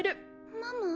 ママ？